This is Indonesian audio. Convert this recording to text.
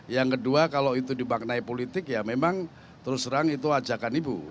yang kedua kalau itu dibaknai politik ya memang terus terang itu ajakan ibu